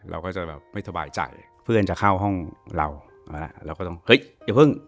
เราก็จะแบบไม่สบายใจเพื่อนจะเข้าห้องเราเราก็ต้องเฮ้ยอย่าเพิ่ง